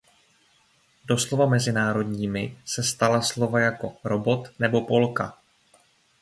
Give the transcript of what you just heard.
Doslova mezinárodními se stala slova jako "robot" nebo "polka".